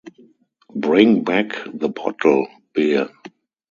Bring back the bottle, Bear!